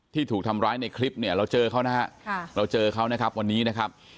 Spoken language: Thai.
ถูกทำร้ายในคลิปเนี่ยเราเจอเขานะฮะเราเจอเขานะครับวันนี้นะครับ